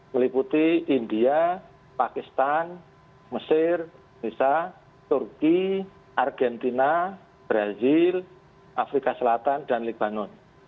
meliputi india pakistan mesir indonesia turki argentina brazil afrika selatan dan libanon